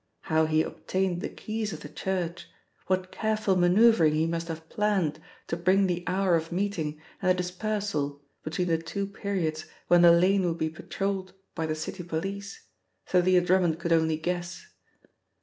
How he obtained the keys of the church; what careful manoeuvring he must have planned to bring the hour of meeting and the dispersal between the two periods when the lane would be patrolled by the City police, Thalia Drummond could only guess.